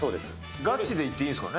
がちでいっていいんですかね。